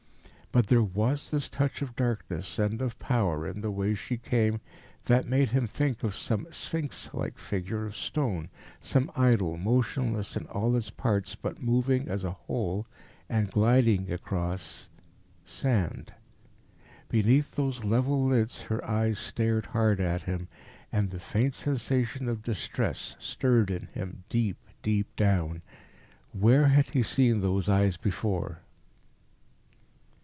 But there was this touch of darkness and of power in the way she came that made him think of some sphinx like figure of stone, some idol motionless in all its parts but moving as a whole, and gliding across sand. Beneath those level lids her eyes stared hard at him. And a faint sensation of distress stirred in him deep, deep down. Where had he seen those eyes before?